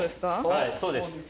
はいそうです。